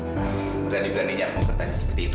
berani beraninya aku bertanya seperti itu